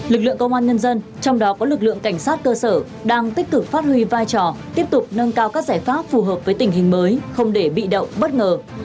lực lượng công an nhân dân trong đó có lực lượng cảnh sát cơ sở đang tích cực phát huy vai trò tiếp tục nâng cao các giải pháp phù hợp với tình hình mới không để bị động bất ngờ